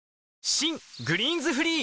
新「グリーンズフリー」